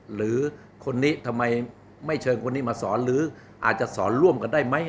หรือคนนี้ทำไมไม่เชิญคนนี้มาสอนหรืออาจจะสอนร่วมกันได้ไหม